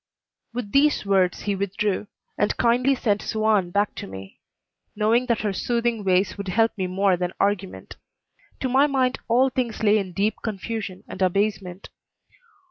With these words he withdrew, and kindly sent Suan back to me, knowing that her soothing ways would help me more than argument. To my mind all things lay in deep confusion and abasement.